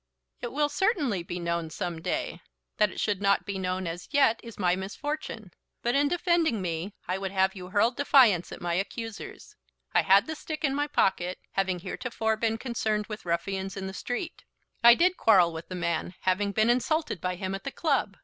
"It will certainly be known some day. That it should not be known as yet is my misfortune. But in defending me I would have you hurl defiance at my accusers. I had the stick in my pocket, having heretofore been concerned with ruffians in the street. I did quarrel with the man, having been insulted by him at the club.